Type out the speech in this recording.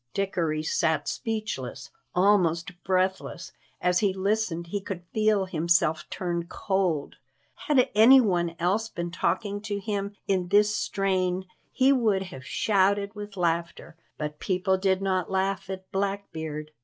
Dickory sat speechless, almost breathless. As he listened he could feel himself turn cold. Had any one else been talking to him in this strain he would have shouted with laughter, but people did not laugh at Blackbeard.